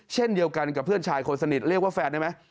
เช่นเดียวกันกับเพื่อนชายคนสนิทเรียกว่าแฟนได้ไหม